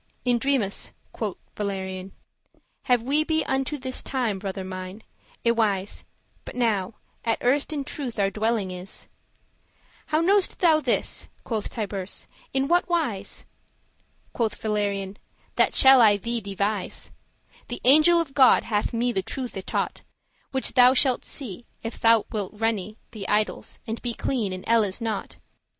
"In dreames," quoth Valorian, "have we be Unto this time, brother mine, y wis But now *at erst* in truth our dwelling is." *for the first time* How know'st thou this," quoth Tiburce; "in what wise?" Quoth Valerian, "That shall I thee devise* *describe "The angel of God hath me the truth y taught, Which thou shalt see, if that thou wilt reny* *renounce The idols, and be clean, and elles nought."